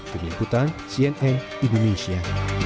penyambutan cnn indonesia